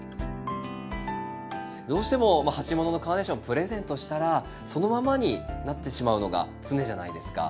どうしても鉢物のカーネーションプレゼントしたらそのままになってしまうのが常じゃないですか。